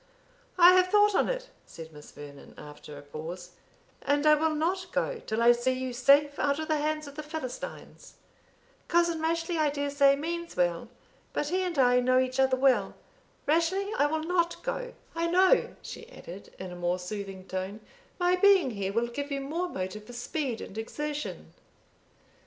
"I have thought on it," said Miss Vernon after a pause, "and I will not go till I see you safe out of the hands of the Philistines. Cousin Rashleigh, I dare say, means well; but he and I know each other well. Rashleigh, I will not go; I know," she added, in a more soothing tone, "my being here will give you more motive for speed and exertion."